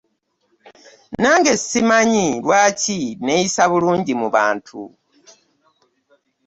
Nange simanyi lwaki neeyisa bulungi mu bantu.